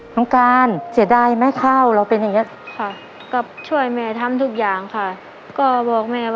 น้องก่านเสียดายม่าข้าวเราเป็นยังไง